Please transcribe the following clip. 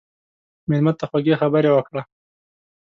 مېلمه ته خوږې خبرې وکړه.